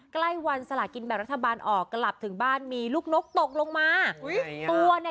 ใกล้วันสลากินแบบรัฐบาลออกกลับถึงบ้านมีลูกนกตกลงมา